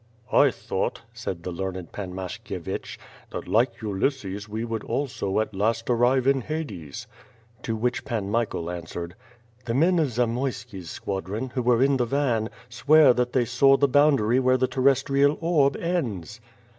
"I thought,^' said the learned Pan Mashkievich, "that like Ulysses we would also at last arrive in Hades.'' To which Pan Michael answered: "The men of Zamoyski's squadron, who were in the van, swear that they saw the boundary where the terrestial orb ends."